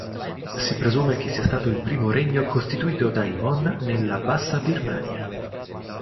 Si presume che sia stato il primo regno costituito dai mon nella Bassa Birmania.